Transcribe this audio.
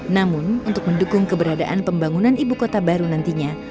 namun untuk mendukung keberadaan pembangunan ibukota baru nantinya